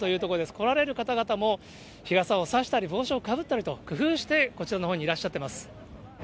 来られる方々も、日傘を差したり、帽子をかぶったりと、工夫をしてこちらのほうに暑いね。